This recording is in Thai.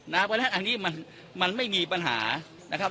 เพราะฉะนั้นอันนี้มันไม่มีปัญหานะครับ